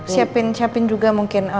siapin siapin juga mungkin